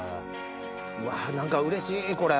うわぁ何かうれしいこれ。